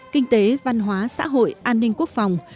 kinh tế văn hóa xã hội an ninh quốc phòng